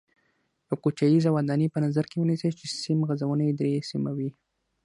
یوه کوټیزه ودانۍ په نظر کې ونیسئ چې سیم غځونه یې درې سیمه وي.